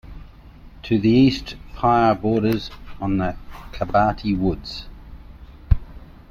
To the east, Pyry borders on the Kabaty Woods.